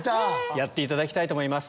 やっていただきたいと思います。